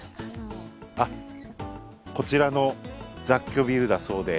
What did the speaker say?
こちらの雑居ビルだそうで。